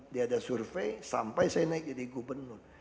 dia ada survei sampai saya naik jadi gubernur